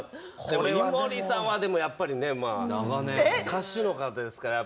井森さんは歌手の方ですから。